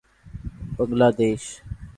بنگلہ دیش